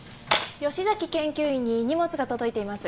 吉崎研究員に荷物が届いています。